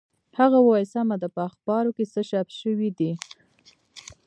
هغه وویل سمه ده په اخبارو کې څه چاپ شوي دي.